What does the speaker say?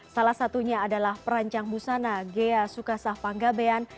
salah satunya adalah perancang busana ghea sukasah panggabean